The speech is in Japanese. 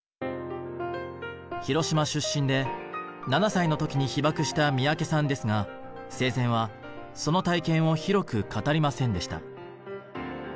広島出身で７歳の時に被爆した三宅さんですが生前はその体験を広く語りませんでした。